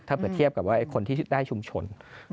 ถ้าเกิดเทียบกับคนที่ได้ชุมชน